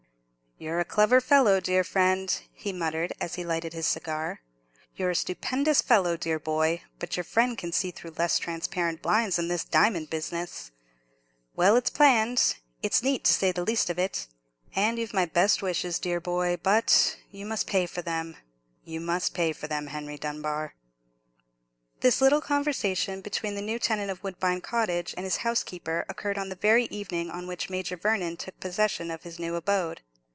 "You're a clever fellow, dear friend," he muttered, as he lighted his cigar; "you're a stupendous fellow, dear boy; but your friend can see through less transparent blinds than this diamond business. It's well planned—it's neat, to say the least of it. And you've my best wishes, dear boy; but—you must pay for them—you must pay for them, Henry Dunbar." This little conversation between the new tenant of Woodbine Cottage and his housekeeper occurred on the very evening on which Major Vernon took possession of his new abode.